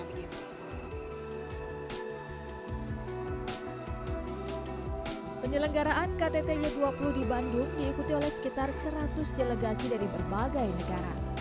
penyelenggaraan ktt y dua puluh di bandung diikuti oleh sekitar seratus delegasi dari berbagai negara